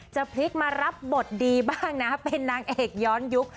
จะพลิกมารับบทดีบ้างนะเป็นนางเอกย้อนยุค